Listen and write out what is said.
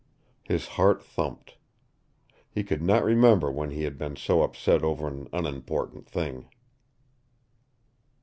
His heart thumped. He could not remember when he had been so upset over an unimportant thing.